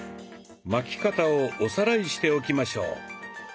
巻き方をおさらいしておきましょう。